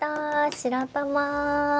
白玉。